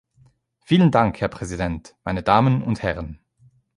Vielen Dank, Herr Präsident, meine Damen und Herren!